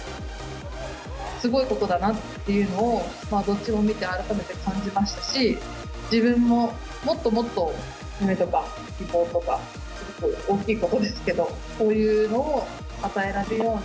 すごいことだなっていうのを、どっちも見て改めて感じましたし、自分ももっともっと、夢とか希望とか、すごく大きいことですけど、そういうのを与えられるような